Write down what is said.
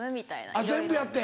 あっ全部やって。